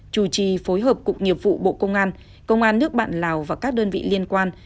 chủ trì phối hợp cục nghiệp vụ bộ công an công an nước bạn lào và các đơn vị liên quan